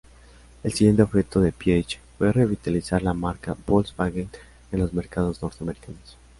El siguiente objetivo de Piëch fue revitalizar la marca Volkswagen en los mercados norteamericanos.